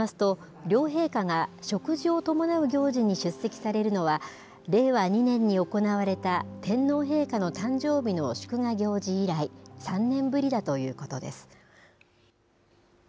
宮内庁によりますと、両陛下が食事を伴う行事に出席されるのは、令和２年に行われた天皇陛下の誕生日の祝賀行事以来、３年ぶりだということです。